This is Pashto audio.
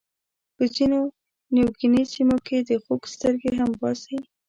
په ځینو نیوګیني سیمو کې د خوک سترګې هم باسي.